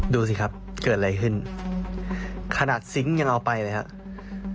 ดูสิครับเกิดอะไรขึ้นขนาดซิงค์ยังเอาไปเลยครับ